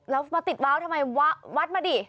แล้วมาติดว้าวทำไมวัดมาดิ